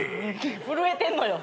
震えてんのよ。